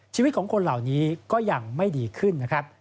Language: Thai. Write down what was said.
ชีวิตของคนเหล่านี้ก็ยังไม่ดีขึ้นนะครับ